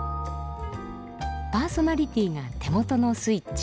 パーソナリティーが手元のスイッチ